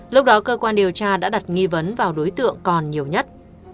lúc đó cơ quan điều tra đã đặt nghi vấn vào đối tượng còn nhiều nhất